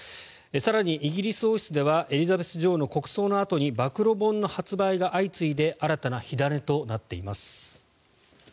更に、イギリス王室ではエリザベス女王の国葬のあとに暴露本の発売が相次いで新たな火種となっています。